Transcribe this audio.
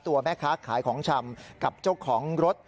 ตัวแม่ค้าขายของชำกับเจ้าของรถ